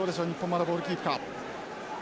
まだボールキープか。